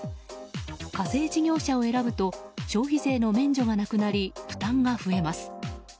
課税事業者を選ぶと消費税の免除がなくなり負担が増えます。